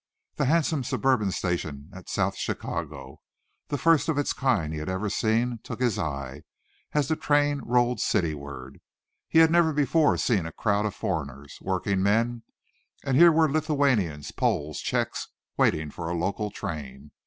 The handsome suburban station at South Chicago, the first of its kind he had ever seen, took his eye, as the train rolled cityward. He had never before seen a crowd of foreigners working men and here were Lithuanians, Poles, Czechs, waiting for a local train.